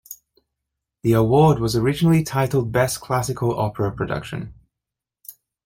The award was originally titled Best Classical Opera Production.